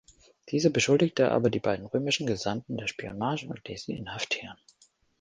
Dieser beschuldigte aber die beiden römischen Gesandten der Spionage und ließ sie inhaftieren.